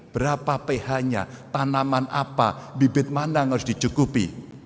berapa ph nya tanaman apa bibit mana yang harus dicukupi